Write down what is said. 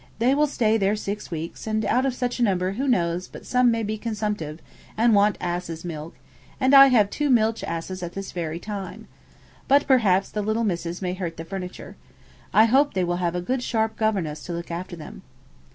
They will stay their six weeks, and out of such a number who knows but some may be consumptive, and want asses' milk; and I have two milch asses at this very time. But perhaps the little Misses may hurt the furniture. I hope they will have a good sharp governess to look after them.'